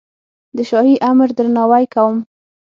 د شاهي امر درناوی کوم.